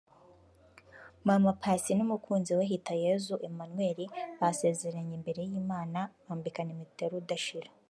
Mama Paccy n’umukunzi we Hitayezu Emmanuel basezeranye imbere y’Imana bambikana impeta y’urudashira